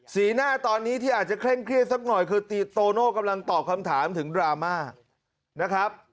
สีหน้าตอนนี้ที่อาจจะเคร่งเครียดสักหน่อยคือโตโน่กำลังตอบคำถามถึงดราม่านะครับ